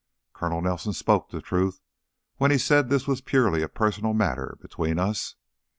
Colonel Nelson spoke the truth when he said this was purely a personal matter between us.